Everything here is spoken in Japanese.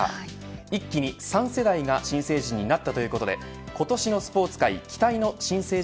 一気に３世代が新成人になったということで今年のスポーツ界期待の新成人